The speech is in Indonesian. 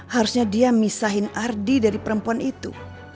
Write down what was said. harusnya dia misahin ardi dari perempuan itu